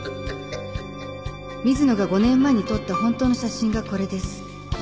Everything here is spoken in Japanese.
「水野が五年前に撮った本当の写真がこれです」